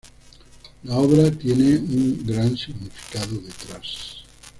La obra tiene un gran significado detrás.